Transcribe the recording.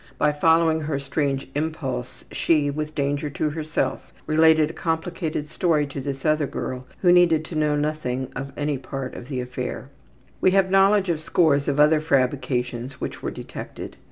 By following her strange impulse she, with danger to herself, related a complicated story to this other girl who needed to know nothing of any part of the affair.) We have knowledge of scores of other fabrications which were detected.